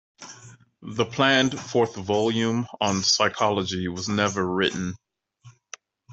The planned fourth volume on psychology was never written.